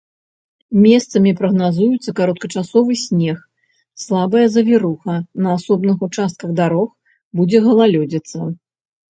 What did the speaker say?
Месцамі прагназуецца кароткачасовы снег, слабая завіруха, на асобных участках дарог будзе галалёдзіца.